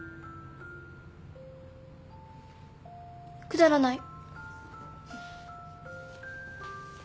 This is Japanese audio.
くだらない